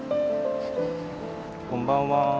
こんばんは。